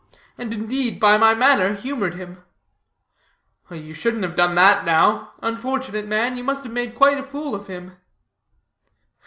And, indeed, by my manner humored him." "You shouldn't have done that, now. Unfortunate man, you must have made quite a fool of him."